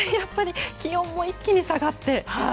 気温も一気に下がって。